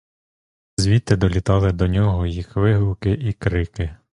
Звідти долітали до нього їх вигуки і крики.